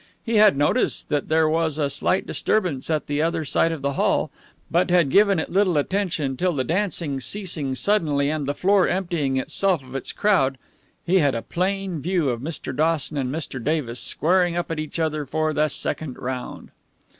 He had noticed that there was a slight disturbance at the other side of the hall, but had given it little attention till the dancing ceasing suddenly and the floor emptying itself of its crowd, he had a plain view of Mr. Dawson and Mr. Davis squaring up at each other for the second round.